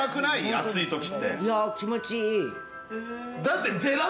暑い時って。